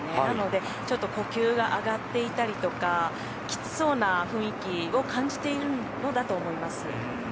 なので、ちょっと呼吸が上がっていたりとかきつそうな雰囲気を感じているのだと思います。